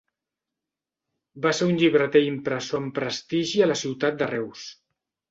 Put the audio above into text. Va ser un llibreter i impressor amb prestigi a la ciutat de Reus.